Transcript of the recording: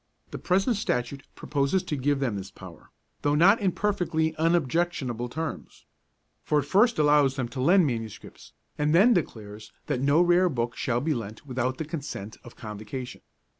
The present Statute proposes to give them this power, though not in perfectly unobjectionable terms. For it first allows them to lend manuscripts, and then declares that no rare book shall be lent without the consent of Convocation.